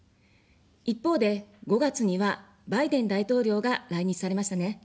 一方で、５月にはバイデン大統領が来日されましたね。